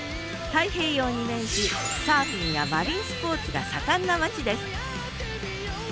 太平洋に面しサーフィンやマリンスポーツが盛んな町です